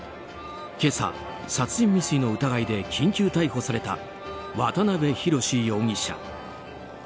今朝、殺人未遂の疑いで緊急逮捕された渡辺宏容疑者。